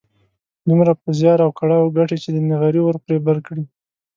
دومره په زيار او کړاو ګټي چې د نغري اور پرې بل کړي.